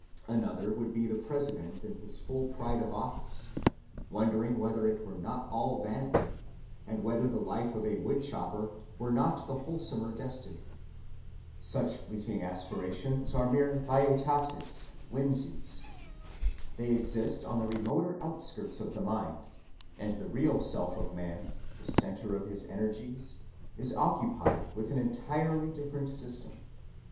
Another would be the President in his full pride of office, wondering whether it were not all vanity, and whether the life of a wood‐chopper were not the wholesomer destiny. Such fleeting aspirations are mere velleitates, whimsies. They exist on the remoter outskirts of the mind, and the real self of the man, the centre of his energies, is occupied with an entirely different system.